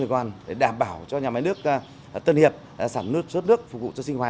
hồ dầu tiếng đã đảm bảo cho nhà máy nước tân hiệp sản nước xuất nước phục vụ cho sinh hoạt